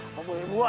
apa boleh dibuat